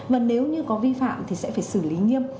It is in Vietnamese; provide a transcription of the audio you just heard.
và nếu như có vi phạm thì sẽ phải xử lý nghiêm